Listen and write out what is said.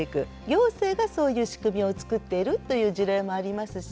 行政がそういう仕組みを作っているという事例もありますし。